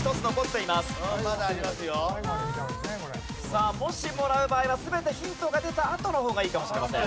さあもしもらう場合は全てヒントが出たあとの方がいいかもしれません。